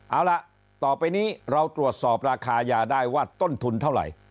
เอาล่ะต่อไปนี้เราตรวจสอบราคายาได้ว่าต้นทุนเท่าไหร่